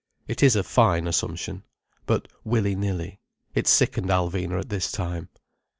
It is a fine assumption. But willy nilly, it sickened Alvina at this time.